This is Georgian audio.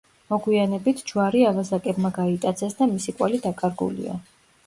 მოგვიანებით, ჯვარი ავაზაკებმა გაიტაცეს და მისი კვალი დაკარგულია.